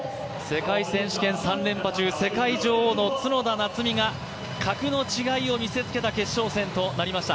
世界選手権３連覇中、世界女王の角田夏実が格の違いを見せつけた決勝戦となりました。